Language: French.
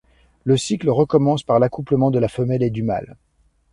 Le cycle recommence par l'accouplement de la femelle et du mâle.